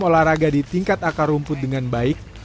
olahraga di tingkat akar rumput dengan baik